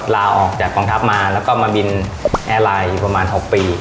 ลาออกจากกองทัพมาแล้วก็มาบินแอร์ไลน์อยู่ประมาณ๖ปี